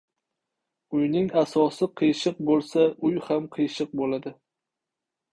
• Uyning asosi qiyshiq bo‘lsa, uy ham qiyshiq bo‘ladi.